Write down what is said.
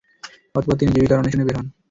অতঃপর তিনি জীবিকার অন্বেষণে বের হন।